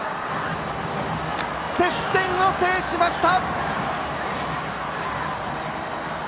接戦を制しました！